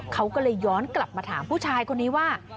เขาก็เลยย้อนกลับมาถามผู้ชายคนนี้ว่า